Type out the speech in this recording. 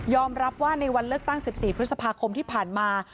รับว่าในวันเลือกตั้ง๑๔พฤษภาคมที่ผ่านมา